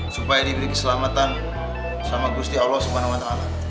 supaya diberi keselamatan sama gusti allah swt